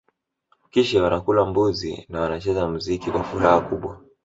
Kisha wanakula mbuzi na wanacheza muziki kwa furaha kubwa